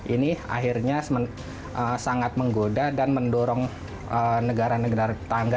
ini akhirnya sangat menggoda dan mendorong negara negara tetangga